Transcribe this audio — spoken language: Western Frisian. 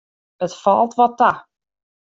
It falt wat ta.